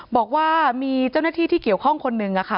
บอกว่ามีเจ้าหน้าที่ที่เกี่ยวข้องคนหนึ่งค่ะ